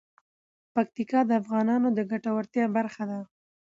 پکتیکا د افغانانو د ګټورتیا برخه ده.